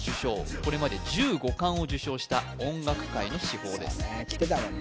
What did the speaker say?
これまで１５冠を受賞した音楽界の至宝ですそうね来てたもんね